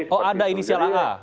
oh ada inisial aa